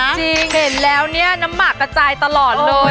จริงงไดลเนี่ยน้ำหมากกระจายตลอดเลย